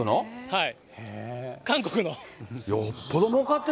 はい。